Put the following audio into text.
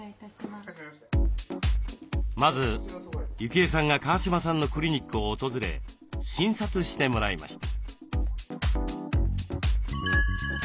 まず幸枝さんが川嶋さんのクリニックを訪れ診察してもらいました。